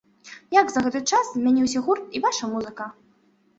Як за гэты час змяніўся гурт і ваша музыка?